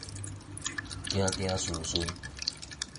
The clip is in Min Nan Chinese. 囝囝孫孫